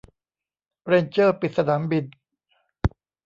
เรนเจอร์ปิดสนามบิน